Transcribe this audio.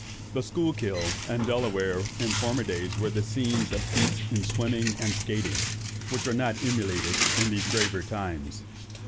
The Schuylkill and Delaware, in former days, were the scenes of feats in swimming and skaiting, which are not emulated in these graver times.